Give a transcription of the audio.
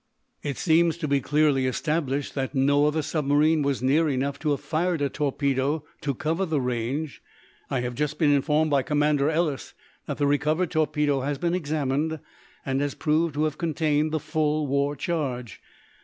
"It seems to be clearly established that no other submarine was near enough to have fired a torpedo to cover the range I have just been informed by Commander Ellis that the recovered torpedo has been examined, and has proved to have contained the full war charge.